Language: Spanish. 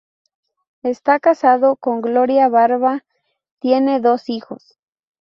Está casado con Gloria Barba; tienen dos hijos.